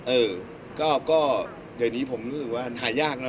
เออก็เดี๋ยวนี้ผมรู้สึกว่าหายากเนอ